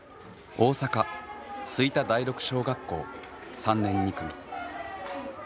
大阪吹田第六小学校３年２組。